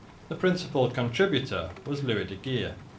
The principal contributor was Louis de Geer.